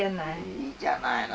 いいじゃないの。